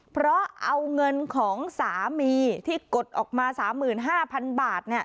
เพราะเอาเงินของสามีที่กดออกมา๓๕๐๐๐บาท